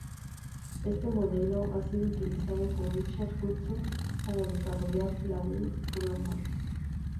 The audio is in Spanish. Este modelo ha sido utilizado por Richard Hudson para desarrollar la "Word Grammar".